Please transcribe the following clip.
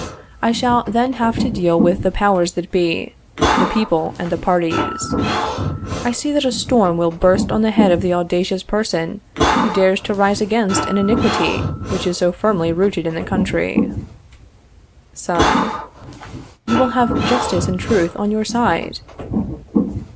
I shall then have to deal with the powers that be the people and the parties. I see that a storm will burst on the head of the audacious person who dares to rise against an iniquity which is so firmly rooted in the country. Son. You will have justice and truth on your side.